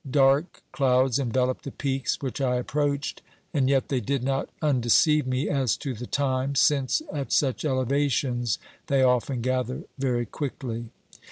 Dark clouds enveloped the peaks which I approached, and yet they did not undeceive me as to the time, since at such elevations they often gather very quickly.